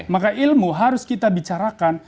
maka ilmu harus kita bicarakan